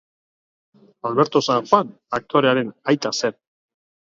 Alberto San Juan aktorearen aita zen.